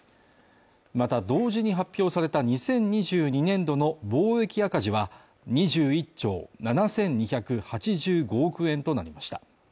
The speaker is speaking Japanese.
また同時に発表された２０２２年度の貿易赤字は２１兆７２８５億円となりました。